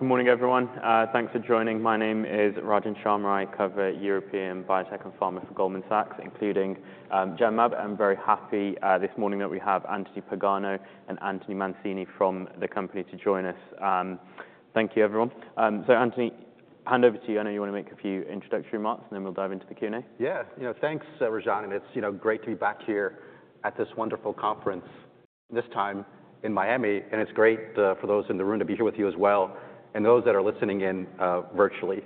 Good morning, everyone. Thanks for joining. My name is Rajan Sharma. I cover European biotech and pharma for Goldman Sachs, including Genmab. I'm very happy this morning that we have Anthony Pagano and Anthony Mancini from the company to join us. Thank you, everyone. So, Anthony, hand over to you. I know you want to make a few introductory remarks, and then we'll dive into the Q&A. Yeah, thanks, Rajan. It's great to be back here at this wonderful conference this time in Miami. It's great for those in the room to be here with you as well, and those that are listening in virtually.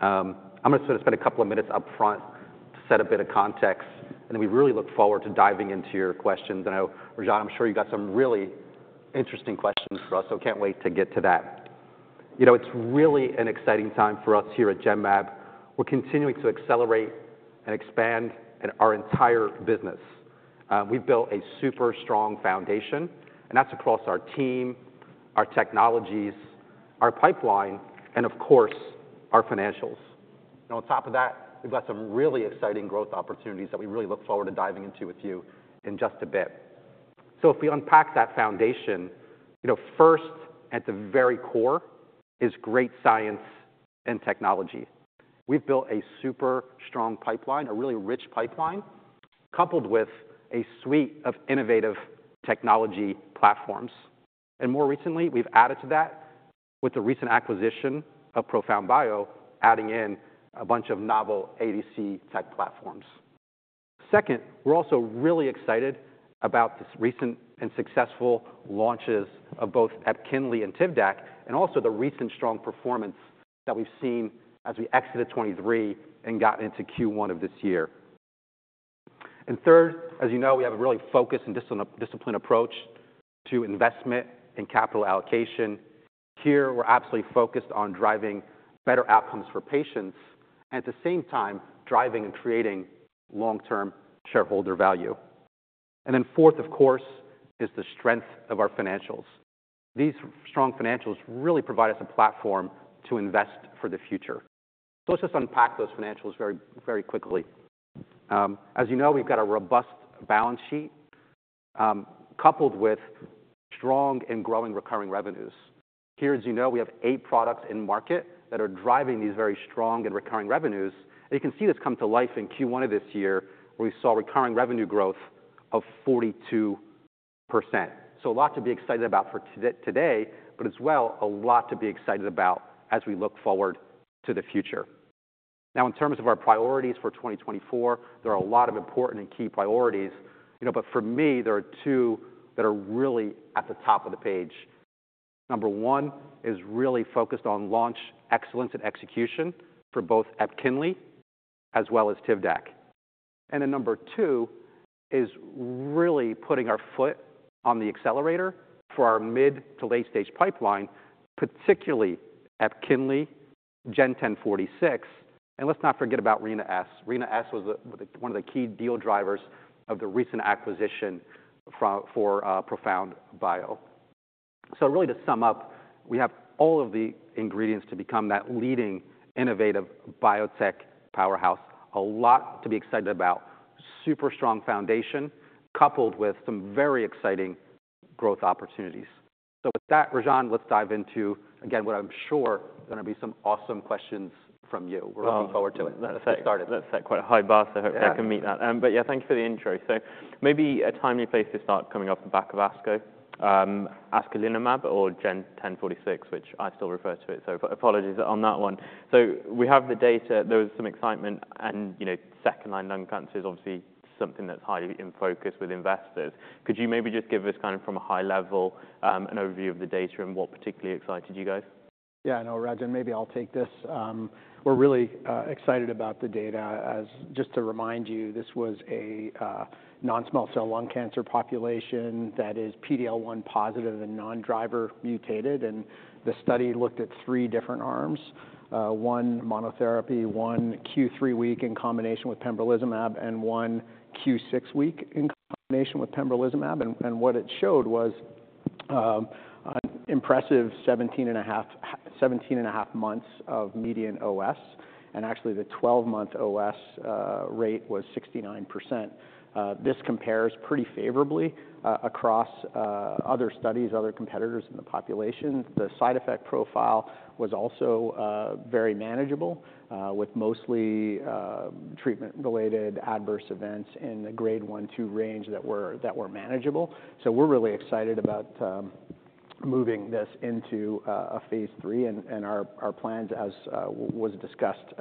I'm going to spend a couple of minutes up front to set a bit of context, and then we really look forward to diving into your questions. Rajan, I'm sure you've got some really interesting questions for us, so I can't wait to get to that. It's really an exciting time for us here at Genmab. We're continuing to accelerate and expand our entire business. We've built a super strong foundation, and that's across our team, our technologies, our pipeline, and of course, our financials. On top of that, we've got some really exciting growth opportunities that we really look forward to diving into with you in just a bit. So if we unpack that foundation, first, at the very core is great science and technology. We've built a super strong pipeline, a really rich pipeline, coupled with a suite of innovative technology platforms. And more recently, we've added to that with the recent acquisition of ProfoundBio, adding in a bunch of novel ADC-type platforms. Second, we're also really excited about the recent and successful launches of both EPKINLY and TIVDAK, and also the recent strong performance that we've seen as we exited 2023 and got into Q1 of this year. And third, as you know, we have a really focused and disciplined approach to investment and capital allocation. Here, we're absolutely focused on driving better outcomes for patients, and at the same time, driving and creating long-term shareholder value. And then fourth, of course, is the strength of our financials. These strong financials really provide us a platform to invest for the future. So let's just unpack those financials very quickly. As you know, we've got a robust balance sheet coupled with strong and growing recurring revenues. Here, as you know, we have eight products in market that are driving these very strong and recurring revenues. And you can see this come to life in Q1 of this year, where we saw recurring revenue growth of 42%. So a lot to be excited about for today, but as well, a lot to be excited about as we look forward to the future. Now, in terms of our priorities for 2024, there are a lot of important and key priorities, but for me, there are two that are really at the top of the page. Number 1 is really focused on launch excellence and execution for both EPKINLY as well as Tivdak. Then number 2 is really putting our foot on the accelerator for our mid- to late-stage pipeline, particularly EPKINLY GEN1046. Let's not forget about Rina-S. Rina-S was one of the key deal drivers of the recent acquisition for ProfoundBio. Really, to sum up, we have all of the ingredients to become that leading innovative biotech powerhouse. A lot to be excited about, super strong foundation, coupled with some very exciting growth opportunities. With that, Rajan, let's dive into, again, what I'm sure is going to be some awesome questions from you. We're looking forward to it. Let's get started. Let's set quite a high bar. So I hope that can meet that. But yeah, thank you for the intro. So maybe a timely place to start coming off the back of ASCO, Acasunlimab or GEN1046, which I still refer to it. So apologies on that one. So we have the data, there was some excitement, and second-line lung cancer is obviously something that's highly in focus with investors. Could you maybe just give us kind of from a high level an overview of the data and what particularly excited you guys? Yeah, I know, Rajan, maybe I'll take this. We're really excited about the data. Just to remind you, this was a non-small cell lung cancer population that is PD-L1 positive and non-driver mutated. And the study looked at 3 different arms, 1 monotherapy, 1 Q3 week in combination with pembrolizumab, and 1 Q6 week in combination with pembrolizumab. And what it showed was an impressive 17.5 months of median OS, and actually the 12-month OS rate was 69%. This compares pretty favorably across other studies, other competitors in the population. The side effect profile was also very manageable, with mostly treatment-related adverse events in the grade 1-2 range that were manageable. So we're really excited about moving this into a phase III. Our plans, as was discussed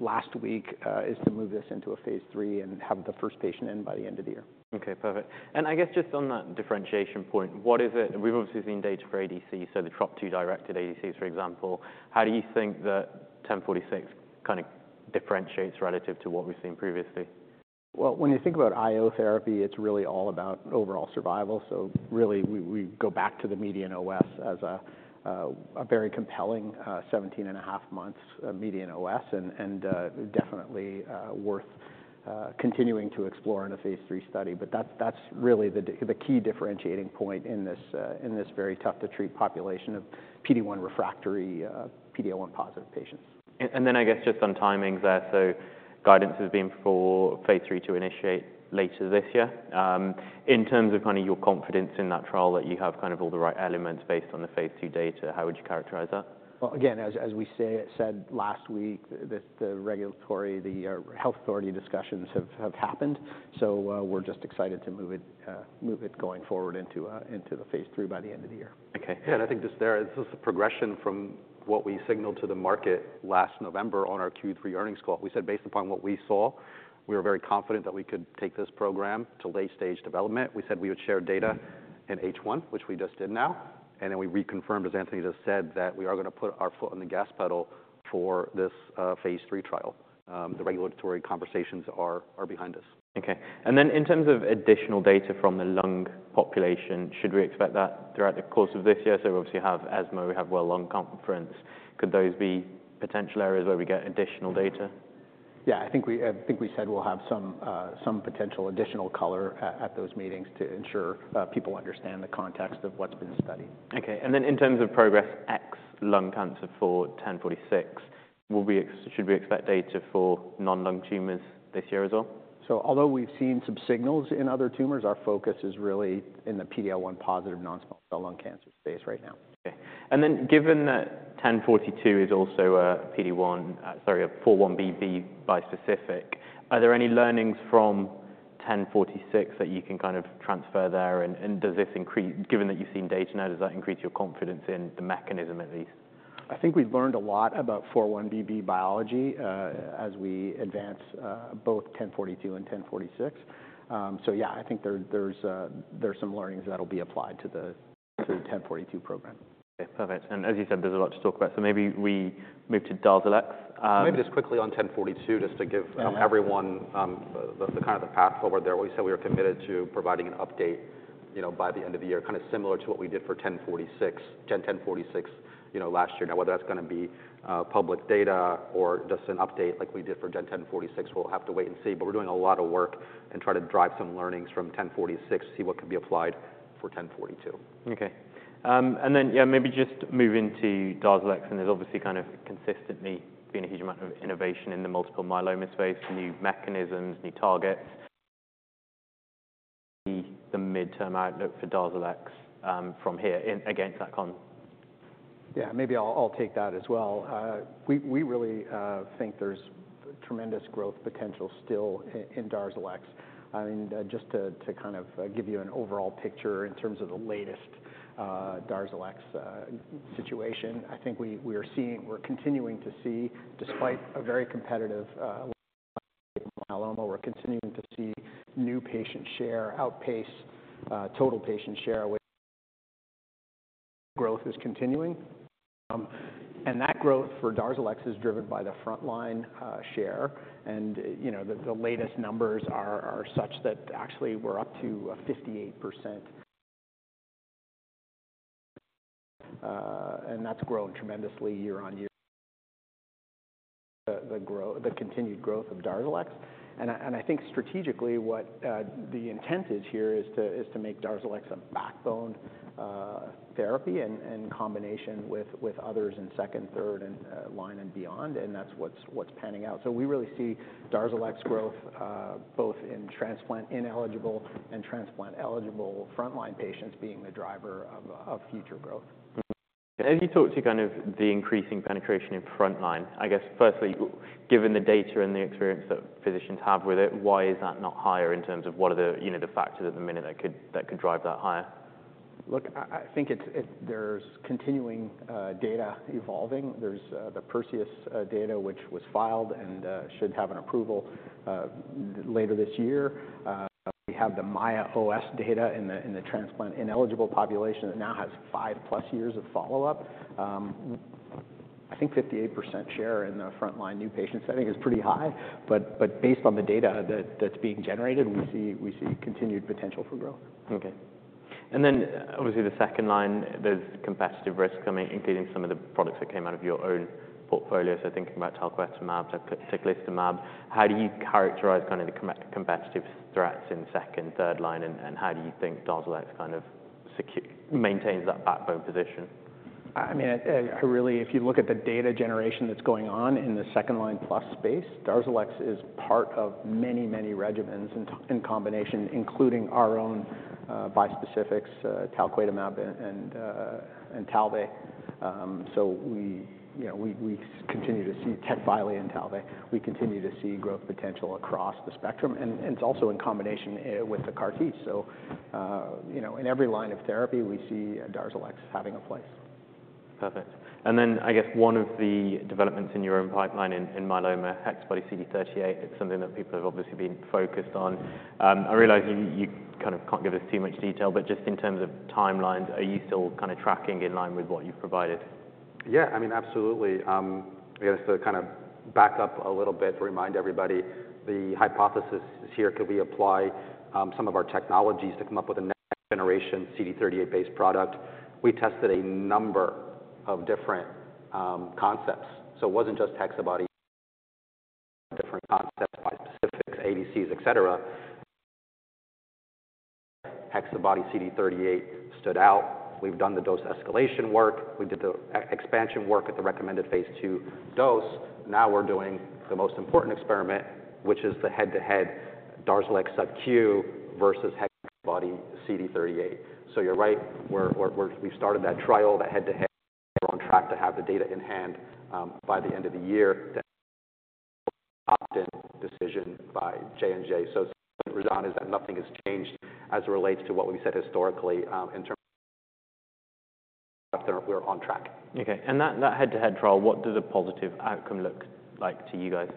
last week, is to move this into a phase III and have the first patient in by the end of the year. Okay, perfect. And I guess just on that differentiation point, what is it? We've obviously seen data for ADC, so the TROP2-directed ADCs, for example. How do you think that 1046 kind of differentiates relative to what we've seen previously? Well, when you think about IO therapy, it's really all about overall survival. So really, we go back to the median OS as a very compelling 17.5 months median OS, and definitely worth continuing to explore in a phase III study. But that's really the key differentiating point in this very tough-to-treat population of PD-1 refractory, PD-L1 positive patients. And then I guess just on timings, so guidance has been for phase III to initiate later this year. In terms of kind of your confidence in that trial that you have kind of all the right elements based on the phase II data, how would you characterize that? Well, again, as we said last week, the regulatory, the health authority discussions have happened. So we're just excited to move it going forward into the phase III by the end of the year. Okay. Yeah, and I think just there, this is a progression from what we signaled to the market last November on our Q3 earnings call. We said based upon what we saw, we were very confident that we could take this program to late-stage development. We said we would share data in H1, which we just did now. And then we reconfirmed, as Anthony just said, that we are going to put our foot on the gas pedal for this phase III trial. The regulatory conversations are behind us. Okay. In terms of additional data from the lung population, should we expect that throughout the course of this year? Obviously we have ASCO, we have World Lung Conference. Could those be potential areas where we get additional data? Yeah, I think we said we'll have some potential additional color at those meetings to ensure people understand the context of what's been studied. Okay. And then in terms of progress, ex-lung cancer for 1046, should we expect data for non-lung tumors this year as well? Although we've seen some signals in other tumors, our focus is really in the PD-L1 positive non-small cell lung cancer space right now. Okay. And then given that 1042 is also a PD-1, sorry, a 4-1BB bispecific, are there any learnings from 1046 that you can kind of transfer there? And does this increase, given that you've seen data now, does that increase your confidence in the mechanism at least? I think we've learned a lot about 4-1BB biology as we advance both 1042 and 1046. So yeah, I think there's some learnings that'll be applied to the 1042 program. Okay, perfect. As you said, there's a lot to talk about. Maybe we move to DARZALEX. Maybe just quickly on 1042, just to give everyone kind of the path forward there. We said we were committed to providing an update by the end of the year, kind of similar to what we did for GEN1046 last year. Now, whether that's going to be public data or just an update like we did for GEN1046, we'll have to wait and see. But we're doing a lot of work and trying to drive some learnings from 1046, see what can be applied for 1042. Okay. Then, yeah, maybe just moving to DARZALEX. There's obviously kind of consistently been a huge amount of innovation in the multiple myeloma space, new mechanisms, new targets. The midterm outlook for DARZALEX from here against that con? Yeah, maybe I'll take that as well. We really think there's tremendous growth potential still in DARZALEX. I mean, just to kind of give you an overall picture in terms of the latest DARZALEX situation, I think we are seeing, we're continuing to see, despite a very competitive multiple myeloma, we're continuing to see new patient share outpace total patient share with growth is continuing. And that growth for DARZALEX is driven by the frontline share. And the latest numbers are such that actually we're up to 58%. And that's grown tremendously year on year, the continued growth of DARZALEX. And I think strategically what the intent is here is to make DARZALEX a backbone therapy in combination with others in second, third, and line and beyond. And that's what's panning out. We really see DARZALEX growth both in transplant-ineligible and transplant-eligible frontline patients being the driver of future growth. As you talk to kind of the increasing penetration in frontline, I guess firstly, given the data and the experience that physicians have with it, why is that not higher in terms of what are the factors at the minute that could drive that higher? Look, I think there's continuing data evolving. There's the Perseus data, which was filed and should have an approval later this year. We have the MAIA OS data in the transplant ineligible population that now has 5+ years of follow-up. I think 58% share in the frontline new patients, I think is pretty high. But based on the data that's being generated, we see continued potential for growth. Okay. And then obviously the second line, there's competitive risk coming, including some of the products that came out of your own portfolio. So thinking about talquetamab and teclistamab, how do you characterize kind of the competitive threats in second, third line, and how do you think DARZALEX kind of maintains that backbone position? I mean, really, if you look at the data generation that's going on in the second line plus space, DARZALEX is part of many, many regimens in combination, including our own bispecifics, talquetamab and TALVEY. So we continue to see TECVAYLI and TALVEY. We continue to see growth potential across the spectrum. And it's also in combination with the CAR-T. So in every line of therapy, we see DARZALEX having a place. Perfect. And then I guess one of the developments in your own pipeline in myeloma, HexaBody-CD38, it's something that people have obviously been focused on. I realize you kind of can't give us too much detail, but just in terms of timelines, are you still kind of tracking in line with what you've provided? Yeah, I mean, absolutely. I guess to kind of back up a little bit, to remind everybody, the hypothesis here could we apply some of our technologies to come up with a next generation CD38-based product. We tested a number of different concepts. So it wasn't just HexaBody, different concepts, bispecifics, ADCs, etc. HexaBody-CD38 stood out. We've done the dose escalation work. We did the expansion work at the recommended phase II dose. Now we're doing the most important experiment, which is the head-to-head DARZALEX subQ versus HexaBody-CD38. So you're right, we've started that trial, that head-to-head. We're on track to have the data in hand by the end of the year. The opt-in decision by J&J. So what we've done is that nothing has changed as it relates to what we said historically. We're on track. Okay. And that head-to-head trial, what does a positive outcome look like to you guys?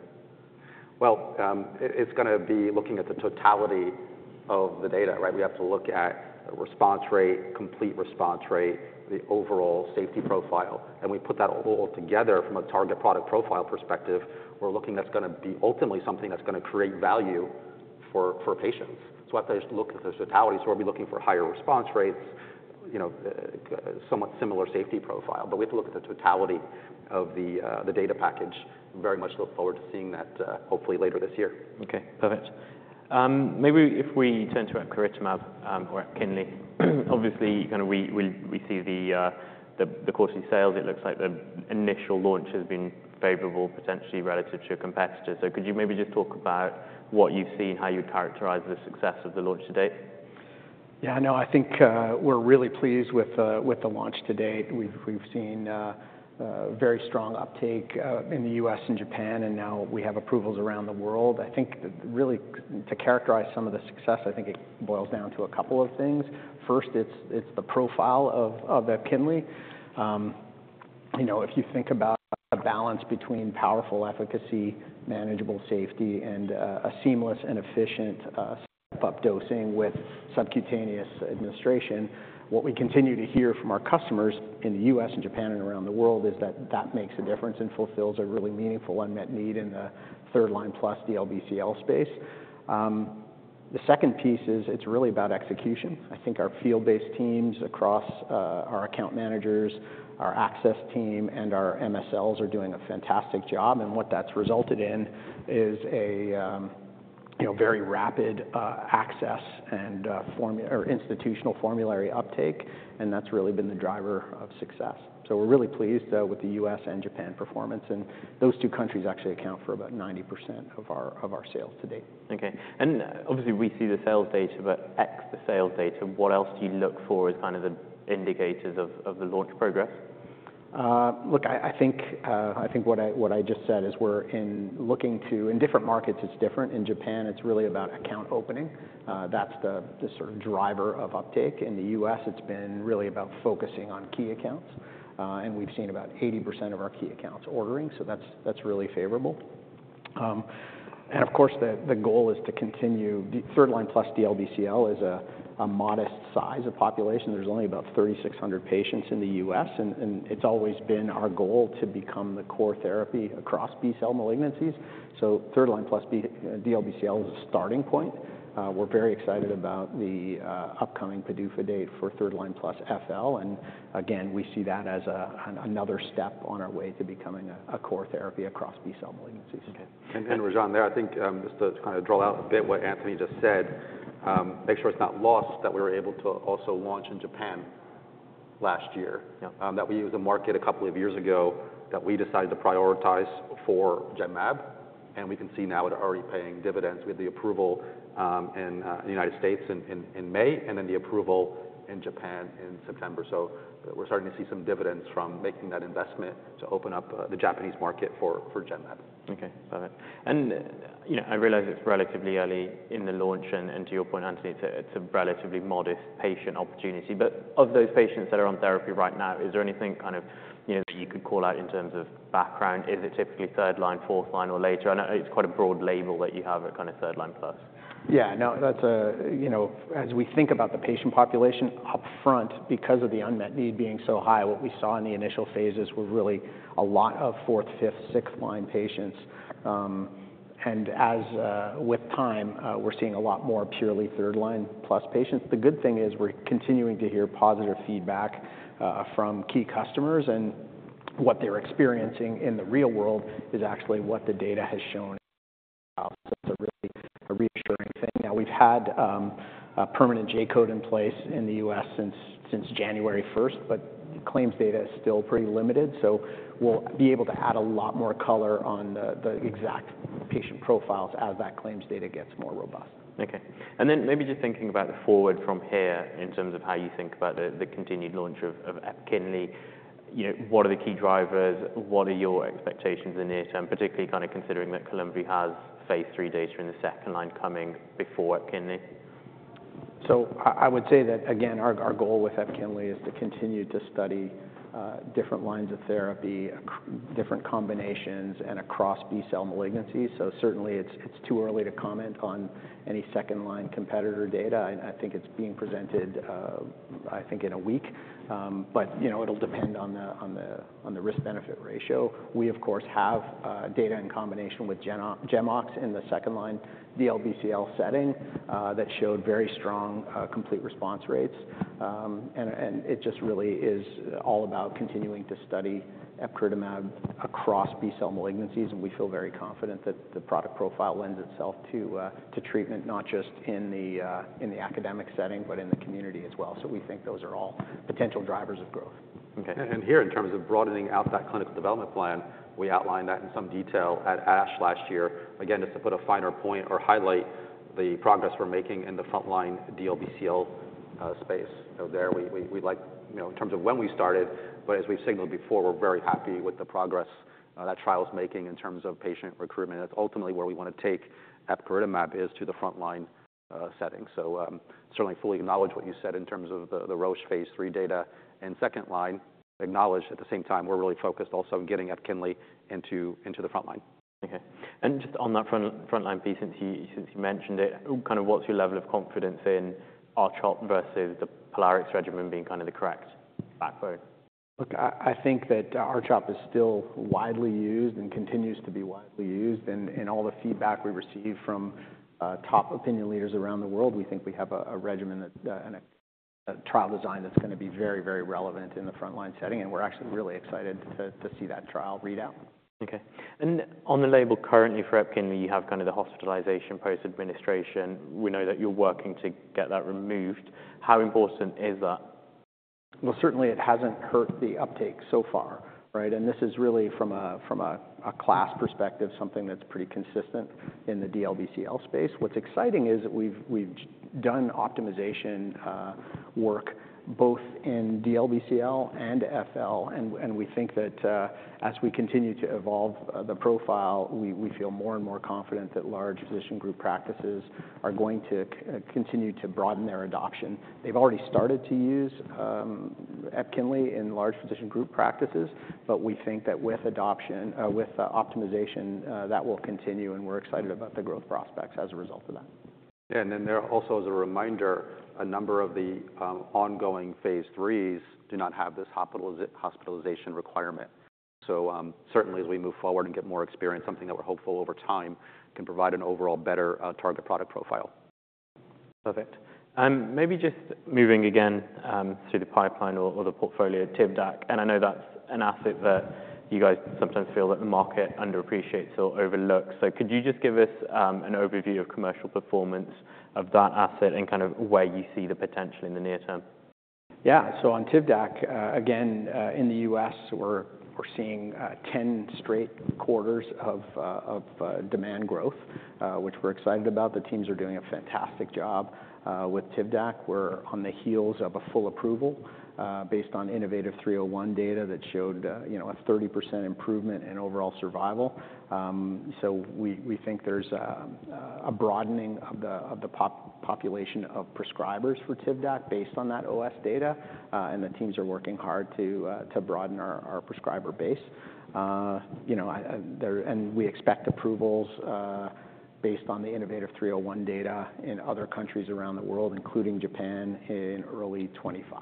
Well, it's going to be looking at the totality of the data, right? We have to look at response rate, complete response rate, the overall safety profile. We put that all together from a target product profile perspective. We're looking at what's going to be ultimately something that's going to create value for patients. We have to look at the totality. We'll be looking for higher response rates, somewhat similar safety profile. But we have to look at the totality of the data package. Very much look forward to seeing that hopefully later this year. Okay, perfect. Maybe if we turn to epcoritamab or EPKINLY, obviously kind of we see the quarterly sales. It looks like the initial launch has been favorable potentially relative to competitors. So could you maybe just talk about what you've seen, how you'd characterize the success of the launch to date? Yeah, no, I think we're really pleased with the launch to date. We've seen very strong uptake in the U.S. and Japan, and now we have approvals around the world. I think really to characterize some of the success, I think it boils down to a couple of things. First, it's the profile of EPKINLY. If you think about a balance between powerful efficacy, manageable safety, and a seamless and efficient step-up dosing with subcutaneous administration, what we continue to hear from our customers in the U.S. and Japan and around the world is that that makes a difference and fulfills a really meaningful unmet need in the third line plus DLBCL space. The second piece is it's really about execution. I think our field-based teams across our account managers, our access team, and our MSLs are doing a fantastic job. What that's resulted in is a very rapid access and institutional formulary uptake. That's really been the driver of success. So we're really pleased with the US and Japan performance. Those two countries actually account for about 90% of our sales to date. Okay. Obviously we see the sales data, but ex the sales data, what else do you look for as kind of the indicators of the launch progress? Look, I think what I just said is we're looking to, in different markets, it's different. In Japan, it's really about account opening. That's the sort of driver of uptake. In the US, it's been really about focusing on key accounts. And we've seen about 80% of our key accounts ordering. So that's really favorable. And of course, the goal is to continue. Third line plus DLBCL is a modest size of population. There's only about 3,600 patients in the US. And it's always been our goal to become the core therapy across B-cell malignancies. So third line plus DLBCL is a starting point. We're very excited about the upcoming PDUFA date for third line plus FL. And again, we see that as another step on our way to becoming a core therapy across B-cell malignancies. Okay. And Rajan there, I think just to kind of draw out a bit what Anthony just said, make sure it's not lost that we were able to also launch in Japan last year, that we eyed a market a couple of years ago that we decided to prioritize for Genmab. And we can see now it's already paying dividends. We had the approval in the United States in May and then the approval in Japan in September. So we're starting to see some dividends from making that investment to open up the Japanese market for Genmab. Okay, perfect. And I realize it's relatively early in the launch and to your point, Anthony, it's a relatively modest patient opportunity. But of those patients that are on therapy right now, is there anything kind of that you could call out in terms of background? Is it typically third line, fourth line, or later? I know it's quite a broad label that you have at kind of third line plus. Yeah, no, that's a, as we think about the patient population upfront, because of the unmet need being so high, what we saw in the initial phases were really a lot of fourth, fifth, sixth line patients. As with time, we're seeing a lot more purely third line plus patients. The good thing is we're continuing to hear positive feedback from key customers. And what they're experiencing in the real world is actually what the data has shown. So it's a really reassuring thing. Now we've had a permanent J code in place in the U.S. since January 1st, but claims data is still pretty limited. So we'll be able to add a lot more color on the exact patient profiles as that claims data gets more robust. Okay. And then maybe just thinking about forward from here in terms of how you think about the continued launch of EPKINLY, what are the key drivers? What are your expectations in the near term, particularly kind of considering that Columvi has phase III data in the second line coming before EPKINLY? So I would say that, again, our goal with EPKINLY is to continue to study different lines of therapy, different combinations, and across B-cell malignancies. So certainly it's too early to comment on any second line competitor data. I think it's being presented, I think, in a week. But it'll depend on the risk-benefit ratio. We, of course, have data in combination with GemOx in the second line DLBCL setting that showed very strong complete response rates. And it just really is all about continuing to study epcoritamab across B-cell malignancies. And we feel very confident that the product profile lends itself to treatment, not just in the academic setting, but in the community as well. So we think those are all potential drivers of growth. Here in terms of broadening out that clinical development plan, we outlined that in some detail at ASH last year. Again, just to put a finer point on or highlight the progress we're making in the frontline DLBCL space. So there, we'd like in terms of when we started, but as we've signaled before, we're very happy with the progress that trial is making in terms of patient recruitment. That's ultimately where we want to take EPKINLY is to the frontline setting. So certainly fully acknowledge what you said in terms of the Roche phase III data and second-line, acknowledge at the same time we're really focused also on getting EPKINLY into the frontline. Okay. And just on that frontline piece, since you mentioned it, kind of what's your level of confidence in R-CHOP versus the Pola-R-CHP regimen being kind of the correct backbone? Look, I think that R-CHOP is still widely used and continues to be widely used. And in all the feedback we receive from top opinion leaders around the world, we think we have a regimen and a trial design that's going to be very, very relevant in the frontline setting. And we're actually really excited to see that trial read out. Okay. And on the label currently for EPKINLY, you have kind of the hospitalization post-administration. We know that you're working to get that removed. How important is that? Well, certainly it hasn't hurt the uptake so far, right? This is really from a class perspective, something that's pretty consistent in the DLBCL space. What's exciting is we've done optimization work both in DLBCL and FL. We think that as we continue to evolve the profile, we feel more and more confident that large physician group practices are going to continue to broaden their adoption. They've already started to use EPKINLY in large physician group practices, but we think that with optimization, that will continue. We're excited about the growth prospects as a result of that. Yeah. And then there also is a reminder, a number of the ongoing phase III do not have this hospitalization requirement. So certainly as we move forward and get more experience, something that we're hopeful over time can provide an overall better target product profile. Perfect. Maybe just moving again through the pipeline or the portfolio, TIVDAK, and I know that's an asset that you guys sometimes feel that the market underappreciates or overlooks. Could you just give us an overview of commercial performance of that asset and kind of where you see the potential in the near term? Yeah. So on TIVDAK, again, in the US, we're seeing 10 straight quarters of demand growth, which we're excited about. The teams are doing a fantastic job with TIVDAK. We're on the heels of a full approval based on innovaTV 301 data that showed a 30% improvement in overall survival. So we think there's a broadening of the population of prescribers for TIVDAK based on that OS data. And the teams are working hard to broaden our prescriber base. And we expect approvals based on the innovaTV 301 data in other countries around the world, including Japan in early 2025. Okay.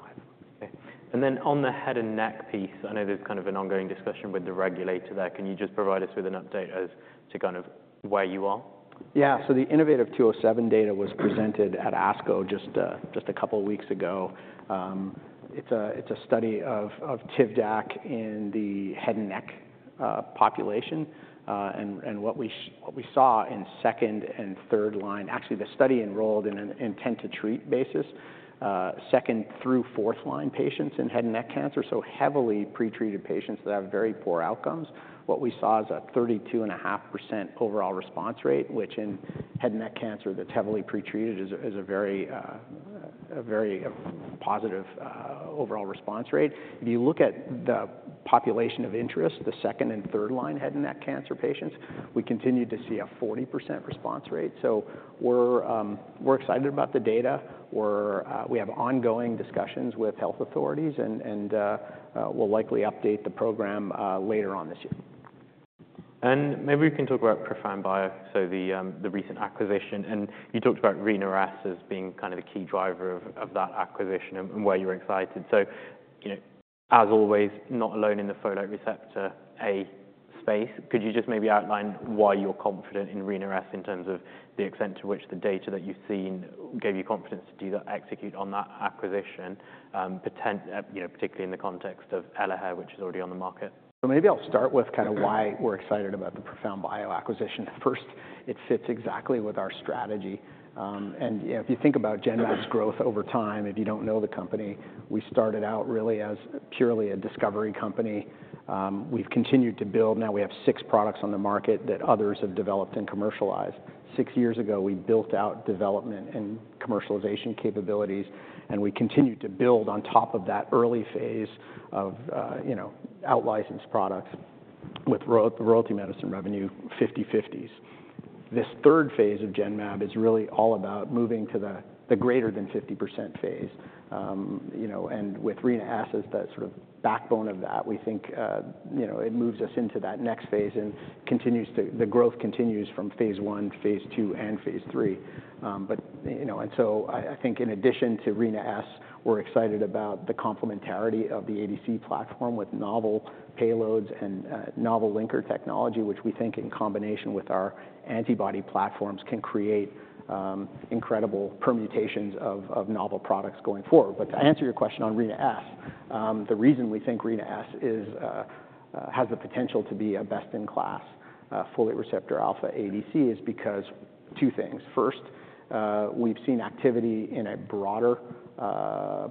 And then on the head and neck piece, I know there's kind of an ongoing discussion with the regulator there. Can you just provide us with an update as to kind of where you are? Yeah. So the innovaTV 207 data was presented at ASCO just a couple of weeks ago. It's a study of TIVDAK in the head and neck population. And what we saw in second and third line, actually the study enrolled in an intent to treat basis, second through fourth line patients in head and neck cancer, so heavily pretreated patients that have very poor outcomes. What we saw is a 32.5% overall response rate, which in head and neck cancer that's heavily pretreated is a very positive overall response rate. If you look at the population of interest, the second and third line head and neck cancer patients, we continue to see a 40% response rate. So we're excited about the data. We have ongoing discussions with health authorities and will likely update the program later on this year. Maybe we can talk about ProfoundBio. The recent acquisition and you talked about Rina-S as being kind of a key driver of that acquisition and why you're excited. As always, not alone in the folate receptor alpha space, could you just maybe outline why you're confident in Rina-S in terms of the extent to which the data that you've seen gave you confidence to execute on that acquisition, particularly in the context of Elahere, which is already on the market? So maybe I'll start with kind of why we're excited about the ProfoundBio acquisition. First, it fits exactly with our strategy. And if you think about Genmab's growth over time, if you don't know the company, we started out really as purely a discovery company. We've continued to build. Now we have six products on the market that others have developed and commercialized. Six years ago, we built out development and commercialization capabilities. And we continued to build on top of that early phase of out-licensed products with royalty, milestone revenue 50/50s. This third phase of Genmab is really all about moving to the greater than 50% phase. And with Rina-S as that sort of backbone of that, we think it moves us into that next phase and continues to, the growth continues from phase I, phase II, and phase III. And so I think in addition to Rina-S, we're excited about the complementarity of the ADC platform with novel payloads and novel linker technology, which we think in combination with our antibody platforms can create incredible permutations of novel products going forward. But to answer your question on Rina-S, the reason we think Rina-S has the potential to be a best-in-class folate receptor alpha ADC is because two things. First, we've seen activity in a broader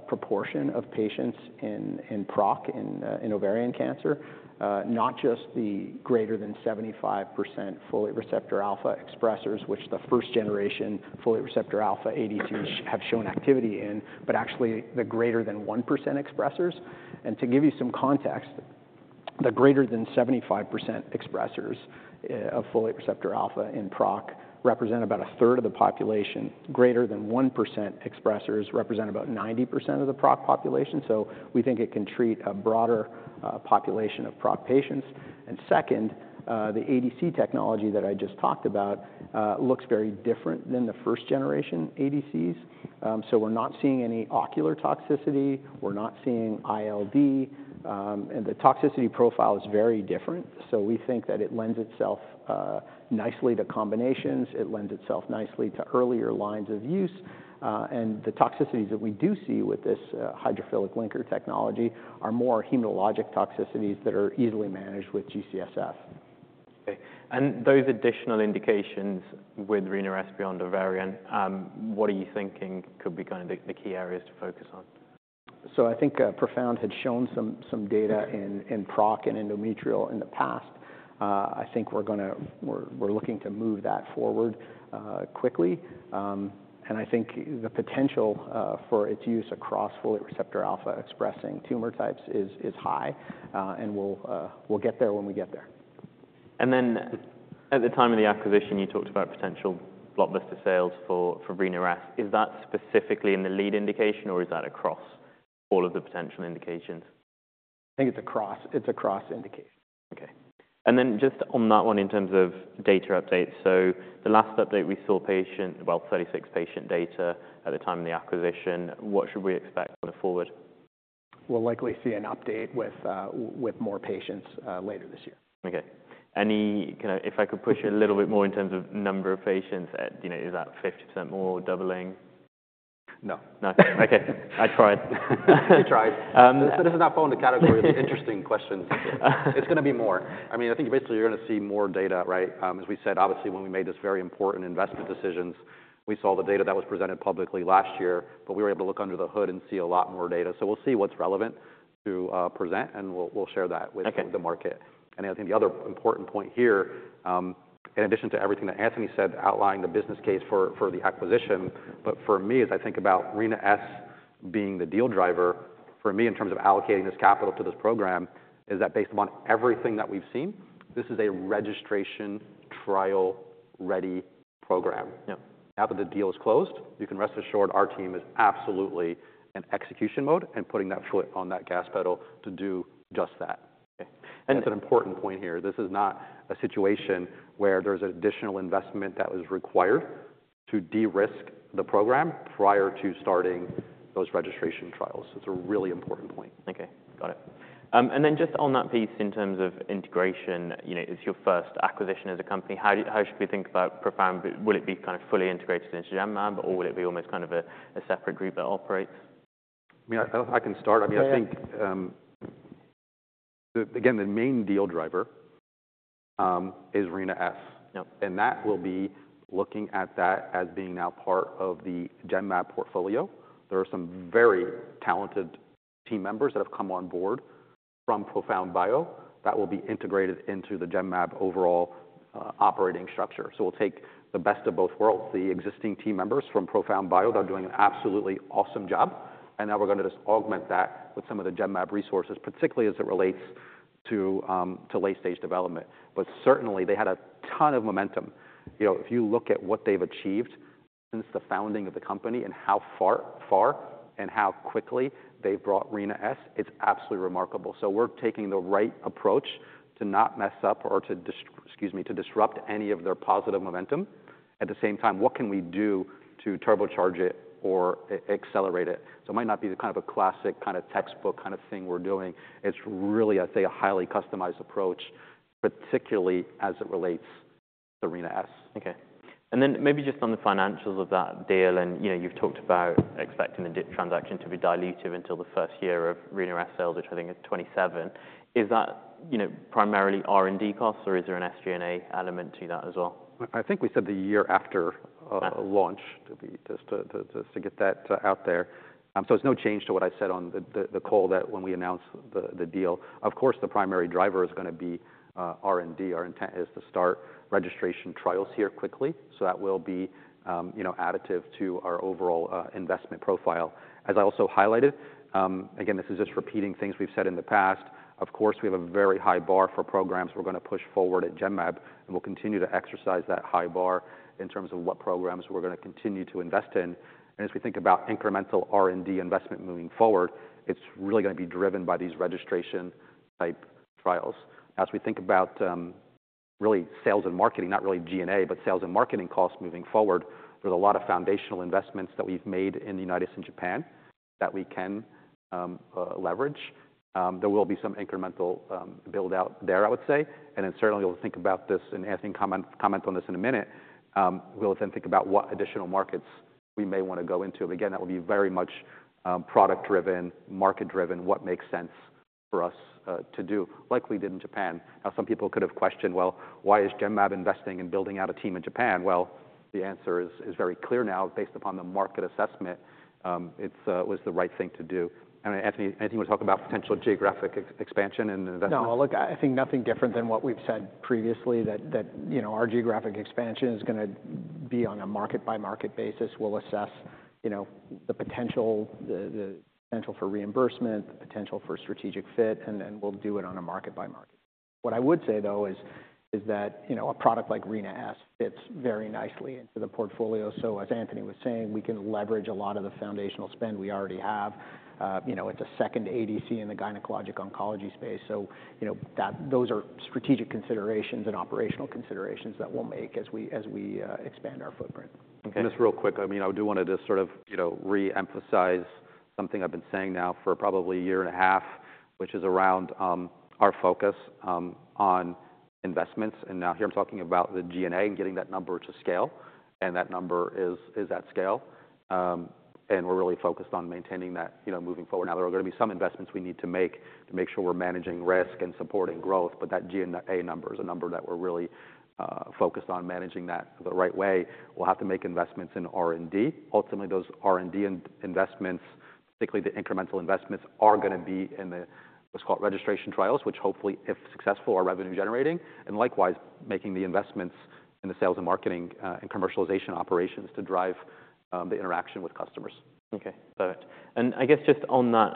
proportion of patients in PROC in ovarian cancer, not just the greater than 75% folate receptor alpha expressors, which the first generation folate receptor alpha ADCs have shown activity in, but actually the greater than 1% expressors. And to give you some context, the greater than 75% expressors of folate receptor alpha in PROC represent about a third of the population. Greater than 1% expressors represent about 90% of the PROC population. So we think it can treat a broader population of PROC patients. And second, the ADC technology that I just talked about looks very different than the first generation ADCs. So we're not seeing any ocular toxicity. We're not seeing ILD. And the toxicity profile is very different. So we think that it lends itself nicely to combinations. It lends itself nicely to earlier lines of use. And the toxicities that we do see with this hydrophilic linker technology are more hematologic toxicities that are easily managed with GCSF. Okay. And those additional indications with Rina-S beyond ovarian, what are you thinking could be kind of the key areas to focus on? So I think ProfoundBio had shown some data in PROC and endometrial in the past. I think we're going to, we're looking to move that forward quickly. And I think the potential for its use across folate receptor alpha expressing tumor types is high. And we'll get there when we get there. Then at the time of the acquisition, you talked about potential blockbuster sales for Rina-S. Is that specifically in the lead indication or is that across all of the potential indications? I think it's across indication. Okay. And then just on that one in terms of data updates. So the last update we saw, well, 36 patient data at the time of the acquisition. What should we expect going forward? We'll likely see an update with more patients later this year. Okay. Any kind of, if I could push you a little bit more in terms of number of patients, is that 50% more, doubling? No. No. Okay. I tried. You tried. This is not falling into category of interesting questions. It's going to be more. I mean, I think basically you're going to see more data, right? As we said, obviously when we made this very important investment decisions, we saw the data that was presented publicly last year, but we were able to look under the hood and see a lot more data. So we'll see what's relevant to present and we'll share that with the market. I think the other important point here, in addition to everything that Anthony said, outlining the business case for the acquisition, but for me, as I think about Rina-S being the deal driver, for me in terms of allocating this capital to this program, is that based upon everything that we've seen, this is a registration trial ready program. Now that the deal is closed, you can rest assured our team is absolutely in execution mode and putting that foot on that gas pedal to do just that. That's an important point here. This is not a situation where there's an additional investment that was required to de-risk the program prior to starting those registration trials. It's a really important point. Okay. Got it. And then just on that piece in terms of integration, it's your first acquisition as a company. How should we think about ProfoundBio? Will it be kind of fully integrated into Genmab or will it be almost kind of a separate group that operates? I mean, I can start. I mean, I think again, the main deal driver is Rina-S. And that will be looking at that as being now part of the Genmab portfolio. There are some very talented team members that have come on board from ProfoundBio that will be integrated into the Genmab overall operating structure. So we'll take the best of both worlds, the existing team members from ProfoundBio that are doing an absolutely awesome job. And now we're going to just augment that with some of the Genmab resources, particularly as it relates to late-stage development. But certainly they had a ton of momentum. If you look at what they've achieved since the founding of the company and how far and how quickly they've brought Rina-S, it's absolutely remarkable. So we're taking the right approach to not mess up or to disrupt any of their positive momentum. At the same time, what can we do to turbocharge it or accelerate it? So it might not be the kind of a classic kind of textbook kind of thing we're doing. It's really, I'd say, a highly customized approach, particularly as it relates to Rina-S. Okay. And then maybe just on the financials of that deal, and you've talked about expecting the ProfoundBio transaction to be diluted until the first year of Rina-S sales, which I think is 2027. Is that primarily R&D costs or is there an SG&A element to that as well? I think we said the year after launch to get that out there. So there's no change to what I said on the call that when we announced the deal. Of course, the primary driver is going to be R&D. Our intent is to start registration trials here quickly. So that will be additive to our overall investment profile. As I also highlighted, again, this is just repeating things we've said in the past. Of course, we have a very high bar for programs we're going to push forward at Genmab. And we'll continue to exercise that high bar in terms of what programs we're going to continue to invest in. And as we think about incremental R&D investment moving forward, it's really going to be driven by these registration-type trials. As we think about really sales and marketing, not really G&A, but sales and marketing costs moving forward, there's a lot of foundational investments that we've made in the United States and Japan that we can leverage. There will be some incremental build-out there, I would say. And then certainly we'll think about this and Anthony will comment on this in a minute. We'll then think about what additional markets we may want to go into. Again, that will be very much product-driven, market-driven, what makes sense for us to do, likely did in Japan. Now, some people could have questioned, well, why is Genmab investing and building out a team in Japan? Well, the answer is very clear now based upon the market assessment. It was the right thing to do. Anthony, anything you want to talk about potential geographic expansion and investment? No, look, I think nothing different than what we've said previously that our geographic expansion is going to be on a market-by-market basis. We'll assess the potential for reimbursement, the potential for strategic fit, and then we'll do it on a market-by-market. What I would say though is that a product like Rina-S fits very nicely into the portfolio. So as Anthony was saying, we can leverage a lot of the foundational spend we already have. It's a second ADC in the gynecologic oncology space. So those are strategic considerations and operational considerations that we'll make as we expand our footprint. Just real quick, I mean, I do want to just sort of re-emphasize something I've been saying now for probably a year and a half, which is around our focus on investments. Now here I'm talking about the G&A and getting that number to scale. And that number is at scale. And we're really focused on maintaining that moving forward. Now there are going to be some investments we need to make to make sure we're managing risk and supporting growth. But that G&A number is a number that we're really focused on managing that the right way. We'll have to make investments in R&D. Ultimately, those R&D investments, particularly the incremental investments, are going to be in what's called registration trials, which hopefully, if successful, are revenue-generating. And likewise, making the investments in the sales and marketing and commercialization operations to drive the interaction with customers. Okay. Got it. And I guess just on that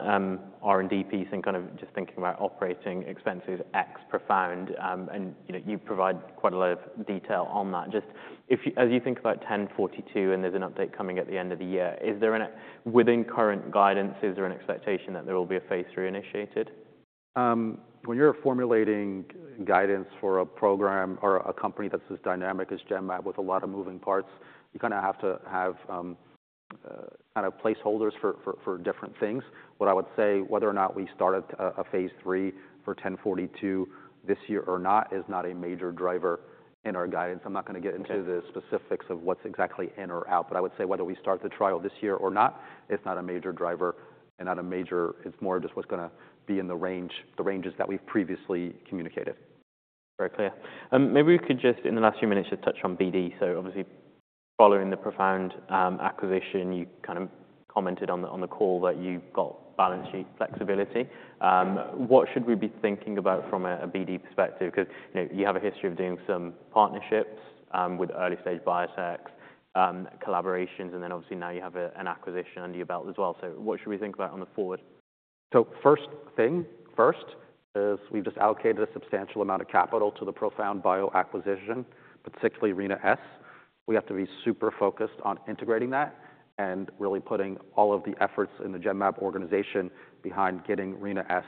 R&D piece and kind of just thinking about operating expenses ex Profound, and you provide quite a lot of detail on that. Just as you think about 1042 and there's an update coming at the end of the year, is there an, within current guidance, is there an expectation that there will be a phase III initiated? When you're formulating guidance for a program or a company that's as dynamic as Genmab with a lot of moving parts, you kind of have to have kind of placeholders for different things. What I would say, whether or not we start a phase III for 1042 this year or not is not a major driver in our guidance. I'm not going to get into the specifics of what's exactly in or out, but I would say whether we start the trial this year or not, it's not a major driver and not a major, it's more just what's going to be in the ranges that we've previously communicated. Very clear. Maybe we could just in the last few minutes just touch on BD. So obviously following the ProfoundBio acquisition, you kind of commented on the call that you got balance sheet flexibility. What should we be thinking about from a BD perspective? Because you have a history of doing some partnerships with early-stage biotechs, collaborations, and then obviously now you have an acquisition under your belt as well. So what should we think about going forward? So first thing first is we've just allocated a substantial amount of capital to the ProfoundBio acquisition, particularly Rina-S. We have to be super focused on integrating that and really putting all of the efforts in the Genmab organization behind getting Rina-S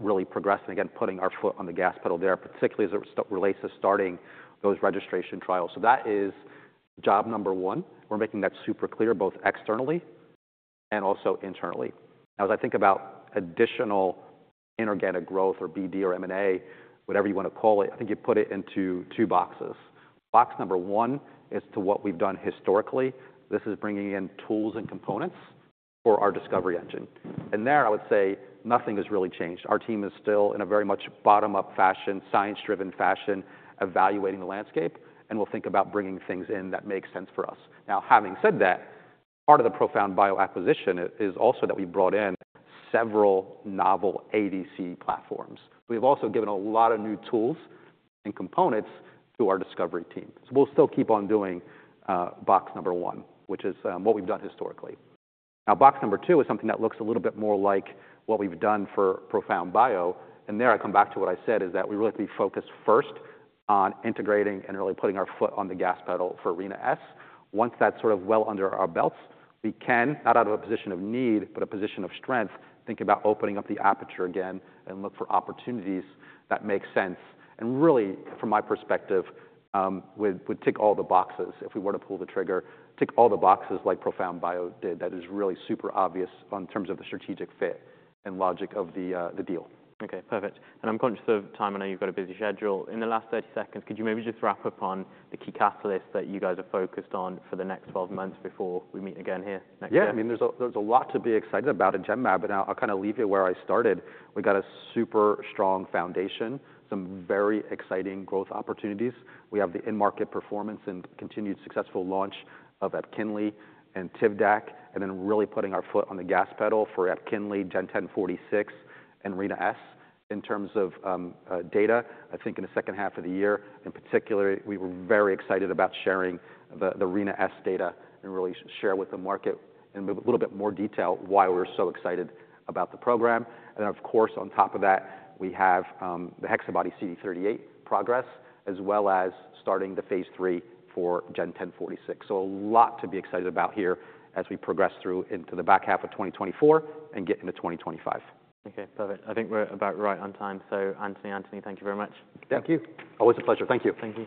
really progressed and again, putting our foot on the gas pedal there, particularly as it relates to starting those registration trials. So that is job number one. We're making that super clear both externally and also internally. Now, as I think about additional inorganic growth or BD or M&A, whatever you want to call it, I think you put it into two boxes. Box number one is to what we've done historically. This is bringing in tools and components for our discovery engine. And there I would say nothing has really changed. Our team is still in a very much bottom-up fashion, science-driven fashion, evaluating the landscape and we'll think about bringing things in that make sense for us. Now, having said that, part of the ProfoundBio acquisition is also that we've brought in several novel ADC platforms. We've also given a lot of new tools and components to our discovery team. So we'll still keep on doing box number one, which is what we've done historically. Now, box number two is something that looks a little bit more like what we've done for ProfoundBio. And there I come back to what I said is that we really have to be focused first on integrating and really putting our foot on the gas pedal for Rina-S. Once that's sort of well under our belts, we can, not out of a position of need, but a position of strength, think about opening up the aperture again and look for opportunities that make sense. And really, from my perspective, we'd tick all the boxes if we were to pull the trigger, tick all the boxes like ProfoundBio did. That is really super obvious in terms of the strategic fit and logic of the deal. Okay. Perfect. And I'm conscious of time. I know you've got a busy schedule. In the last 30 seconds, could you maybe just wrap up on the key catalysts that you guys are focused on for the next 12 months before we meet again here next year? Yeah. I mean, there's a lot to be excited about in Genmab, but I'll kind of leave it where I started. We've got a super strong foundation, some very exciting growth opportunities. We have the in-market performance and continued successful launch of EPKINLY and TIVDAK, and then really putting our foot on the gas pedal for EPKINLY, GEN1046, and Rina-S in terms of data. I think in the second half of the year, in particular, we were very excited about sharing the Rina-S data and really share with the market in a little bit more detail why we're so excited about the program. And then, of course, on top of that, we have the HexaBody-CD38 progress as well as starting the phase III for GEN1046. So a lot to be excited about here as we progress through into the back half of 2024 and get into 2025. Okay. Perfect. I think we're about right on time. Anthony, Anthony, thank you very much. Thank you. Always a pleasure. Thank you. Thank you.